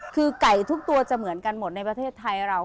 คือไก่ทุกตัวจะเหมือนกันหมดในประเทศไทยเรา